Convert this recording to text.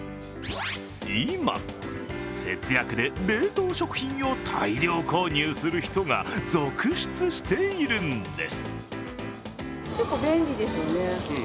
今、節約で冷凍食品を大量購入する人が続出しているんです。